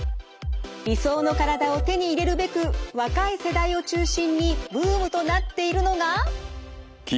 理想の体を手に入れるべく若い世代を中心にブームとなっているのが。